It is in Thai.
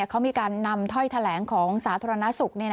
เขามีการนำถ้อยแถลงของสาธารณสุข